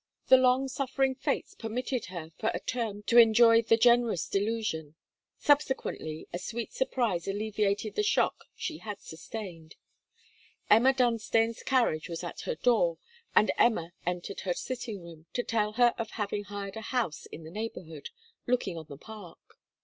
The long suffering Fates permitted her for a term to enjoy the generous delusion. Subsequently a sweet surprise alleviated the shock she had sustained. Emma Dunstane's carriage was at her door, and Emma entered her sitting room, to tell her of having hired a house in the neighbourhood, looking on the park.